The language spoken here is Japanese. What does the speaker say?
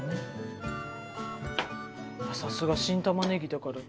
さすが新玉ねぎだから。